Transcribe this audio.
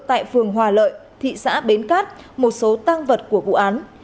tại phường hòa lợi thị xã bến cát một số tăng vật của vụ án